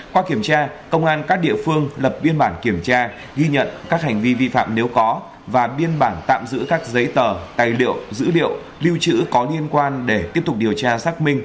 qua kiểm tra công an các địa phương lập biên bản kiểm tra ghi nhận các hành vi vi phạm nếu có và biên bản tạm giữ các giấy tờ tài liệu dữ liệu lưu trữ có liên quan để tiếp tục điều tra xác minh